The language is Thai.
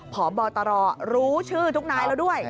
พบรรตรร่อรู้ชื่อทุกนายเราด้วย